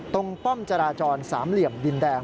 ป้อมจราจรสามเหลี่ยมดินแดง